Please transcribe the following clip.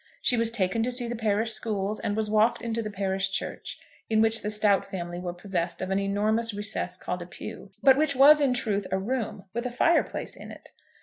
She was taken to see the parish schools, and was walked into the parish church, in which the Stowte family were possessed of an enormous recess called a pew, but which was in truth a room, with a fireplace in it.